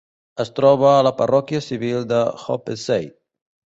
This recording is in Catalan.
Es troba a la parròquia civil de Hopesay.